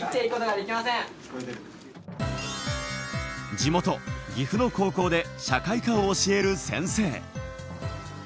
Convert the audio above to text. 地元・岐阜の高校で社会科を教える先生。